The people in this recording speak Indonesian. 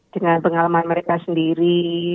dengan pengalaman mereka sendiri